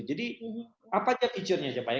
jadi apa aja feature nya